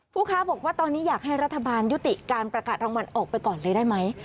ค้าบอกว่าตอนนี้อยากให้รัฐบาลยุติการประกาศรางวัลออกไปก่อนเลยได้ไหม